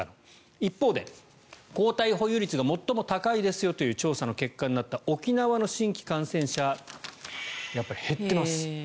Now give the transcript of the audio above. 一方で抗体保有率が最も高いですよという調査の結果になった沖縄の新規感染者やっぱり減ってます。